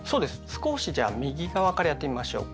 少しじゃあ右側からやってみましょうか。